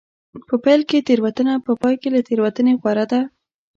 په پیل کې تېروتنه په پای کې له تېروتنې غوره ده.